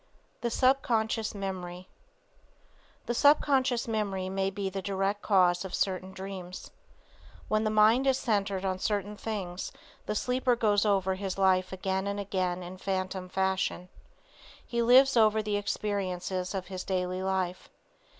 THE SUBCONSCIOUS MEMORY The subconscious memory may be the direct cause of certain dreams. When the mind is centered on certain things, the sleeper goes over his life again and again in phantom fashion. He lives over the experiences of his daily life.